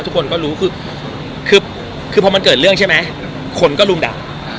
ทุกคนก็รู้คือคือพอมันเกิดเรื่องใช่ไหมคนก็รุมด่า